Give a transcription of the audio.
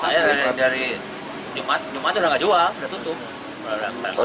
saya dari jumat jumat udah nggak jual udah tutup